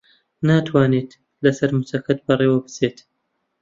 ناتوانیت لەسەر مووچەکەت بەڕێوە بچیت؟